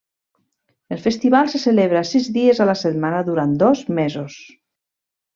El festival se celebra sis dies a la setmana durant dos mesos.